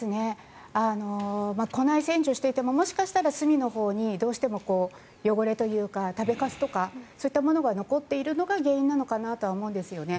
庫内洗浄していてももしかしたら隅のほうにどうしても汚れというか食べカスとかそういうのが残っているのが原因かなと思うんですよね。